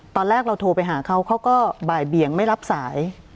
ตอนแรกเราโทรไปหาเขาเขาก็บ่ายเบียงไม่รับสาย